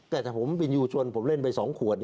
แต่ถ้าผมวิญญูชวนผมเล่นไปสองขวด